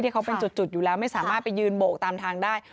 เขาเป็นจุดอยู่แล้วไม่สามารถไปยืนโบกตามทางได้